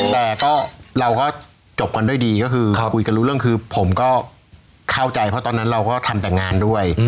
แต่ก็เราก็จบกันด้วยดีก็คือคุยกันรู้เรื่องคือผมก็เข้าใจเพราะตอนนั้นเราก็ทำแต่งานด้วย